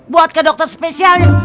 buat ke dokter spesialis